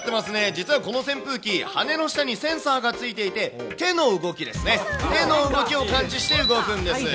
実はこの扇風機、羽根の下にセンサーが付いていて、手の動きですね、手の動きを感知して動くんです。